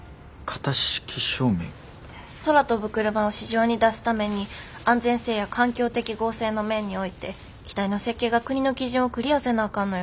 空飛ぶクルマを市場に出すために安全性や環境適合性の面において機体の設計が国の基準をクリアせなあかんのよ。